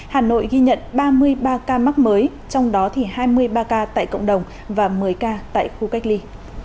hà nội ghi nhận ba mươi ba ca mắc mới trong đó hai mươi ba ca tại cộng đồng và một mươi ca tại khu cách ly